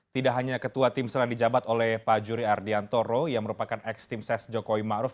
tidak hanya ketua timsel yang dijabat oleh pak juri ardian toro yang merupakan ex timsel jokowi ma'ruf